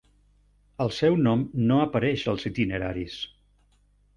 El seu nom no apareix als Itineraris.